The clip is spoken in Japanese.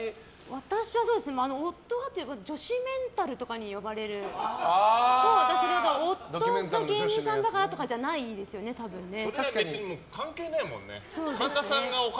私は夫がというか女子メンタルとかに呼ばれて夫が芸人さんだからとかじゃ関係ないもんね。